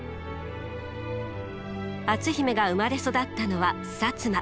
篤姫が生まれ育ったのは摩。